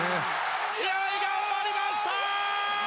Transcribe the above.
試合が終わりました！